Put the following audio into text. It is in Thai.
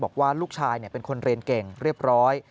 บอกว่าลูกชายเป็นคนเรียนเก่งเรียบร้อย